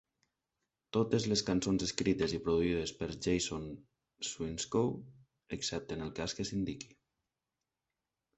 Totes les cançons escrites i produïdes per Jason Swinscoe, excepte en el cas que s'indiqui.